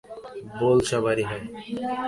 ভুল সবারই হয়।